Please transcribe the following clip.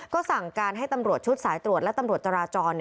ก็สั่งการให้ตำรวจชุดสายตรวจและตำรวจจราจร